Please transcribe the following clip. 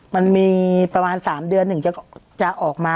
มันมีประมาณ๓เดือนถึงจะออกมา